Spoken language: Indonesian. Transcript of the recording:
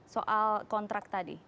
soal kontrak tadi